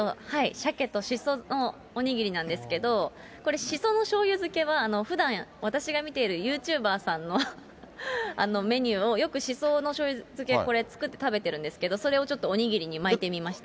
しゃけとしそのお握りなんですけど、これ、しそのしょうゆ漬けはふだん、私が見ているユーチューバーさんのメニューを、よくしそのしょうゆ漬けをこれ、作って食べてるんですけど、それをちょっとお握りに巻いてみました。